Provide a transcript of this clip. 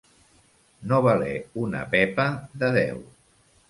No valer una pepa de deu.